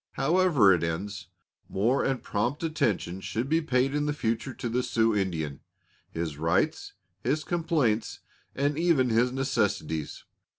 However it ends, more and prompt attention should be paid in the future to the Sioux Indian his rights, his complaints, and even his necessities.